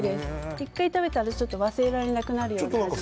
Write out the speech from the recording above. １回食べたら忘れられなくなるような味で。